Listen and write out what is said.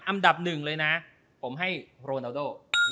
อันดับ๑ผมให้โรนันโด